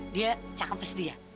dia cakep pasti ya